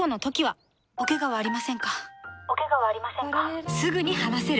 おケガはありませんか？